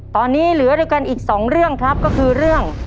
ตอนนี้เหลือด้วยกันอีกสองเรื่องครับก็คือเรื่อง